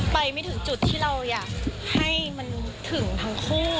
ไปไม่ถึงจุดที่เราอยากให้มันถึงทั้งคู่